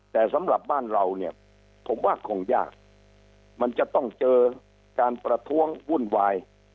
แต่สำหรับบ้านเราเนี่ยผมว่าคงยากมันจะต้องเจอการประท้วงวุ่นวาย